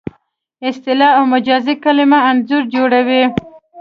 اصطلاح او مجازي کلمې انځور جوړوي